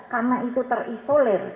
karena itu terisolir